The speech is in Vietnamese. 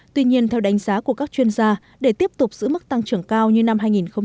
tuy nhiên theo đánh giá của các chuyên gia để tiếp tục giữ mức tăng trưởng cao như năm hai nghìn một mươi tám